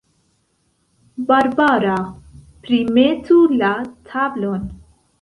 Barbara, primetu la tablon.